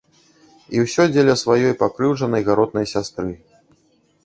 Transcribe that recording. І ўсё дзеля сваёй пакрыўджанай гаротнай сястры.